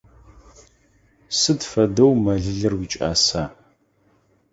Сыд фэдэу мэлылыр уикӏаса?